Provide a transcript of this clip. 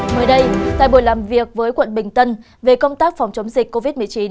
mới đây tại buổi làm việc với quận bình tân về công tác phòng chống dịch covid một mươi chín